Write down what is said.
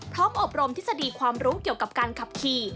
อบรมทฤษฎีความรู้เกี่ยวกับการขับขี่